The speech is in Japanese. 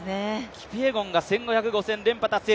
キピエゴンが１５００、５０００連覇達成